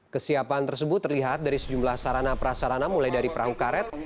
kesiapan tersebut terlihat dari sejumlah sarana prasarana mulai dari perahu karet